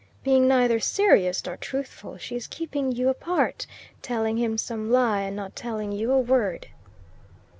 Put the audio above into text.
Being neither serious nor truthful, she is keeping you apart, telling him some lie and not telling you a word."